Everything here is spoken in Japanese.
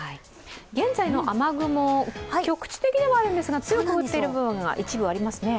現在の雨雲、局地的ではあるんですが強く降っている部分が一部ありますね。